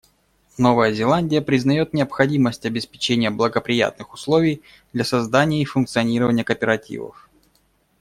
Новая Зеландия признает необходимость обеспечения благоприятных условий для создания и функционирования кооперативов.